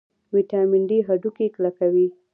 ویټامین ډي هډوکي کلکوي